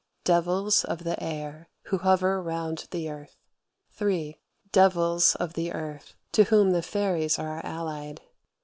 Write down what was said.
Devils of the air, who hover round the earth. (3.) Devils of the earth; to whom the fairies are allied.